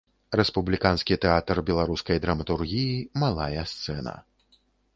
Рэспубліканскі тэатр беларускай драматургіі, малая сцэна.